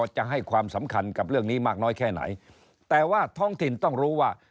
จะให้ความสำคัญกับเรื่องนี้มากน้อยแค่ไหนแต่ว่าท้องถิ่นต้องรู้ว่า